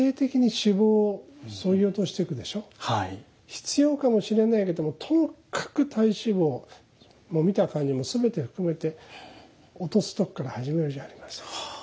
必要かもしれないけどもともかく体脂肪見た感じも全て含めて落とすとこから始めるじゃありませんか。